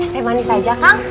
teh manis aja kang